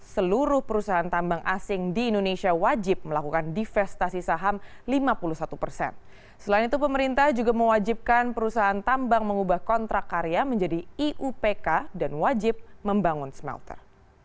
selain itu pemerintah juga mewajibkan perusahaan tambang mengubah kontrak karya menjadi iupk dan wajib membangun smelter